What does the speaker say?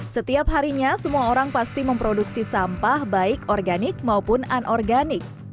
setiap harinya semua orang pasti memproduksi sampah baik organik maupun anorganik